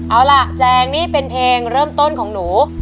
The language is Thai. เอาล่ะแจงนี่เป็นเพลงเริ่มต้นของหนู